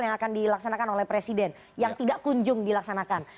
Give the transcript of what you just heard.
yang akan dilaksanakan oleh presiden yang tidak kunjung dilaksanakan